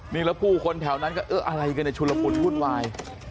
นี่แล้วผู้คนแถวนั้นก็เอออะไรกันเนี่ยชุลมุนวุ่นวาย